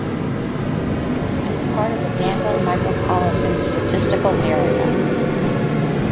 It is part of the Danville Micropolitan Statistical Area.